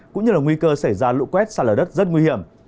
cũng như là nguy cơ xảy ra lũ quét xa lở đất rất nguy hiểm